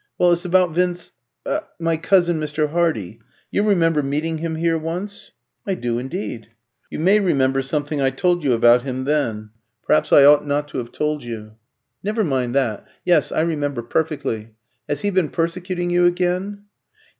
"Well, it's about Vinc my cousin Mr. Hardy. You remember meeting him here once?" "I do indeed." "You may remember something I told you about him then. Perhaps I ought not to have told you." "Never mind that. Yes, I remember perfectly. Has he been persecuting you again?"